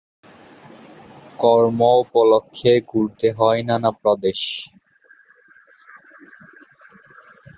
কর্ম উপলক্ষ্যে ঘুরতে হয় নানা প্রদেশে।